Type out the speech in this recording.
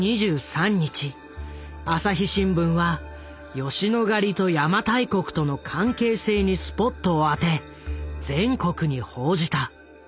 朝日新聞は吉野ヶ里と邪馬台国との関係性にスポットを当て全国に報じた。